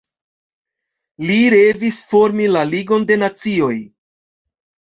Li revis formi la Ligon de Nacioj.